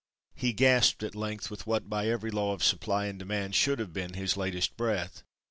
He gasped at length with what by every law of supply and demand should have been his latest breath.